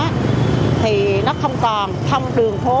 thì nó không còn thông đường phố